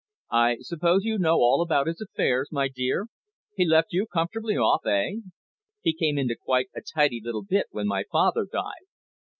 "I suppose you know all about his affairs, my dear? He has left you comfortably off, eh? He came into quite a tidy little bit when my father died."